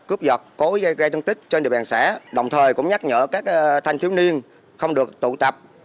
cướp giọt cố gây gây tân tích trên địa bàn xã đồng thời cũng nhắc nhở các thanh thiếu niên không được tụ tập